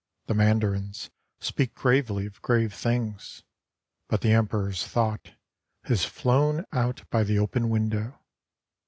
The Mandarins speak gravely of grave things ; but the Emperor's thought has flown out by the open window.